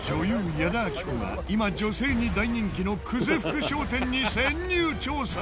矢田亜希子が今女性に大人気の久世福商店に潜入調査。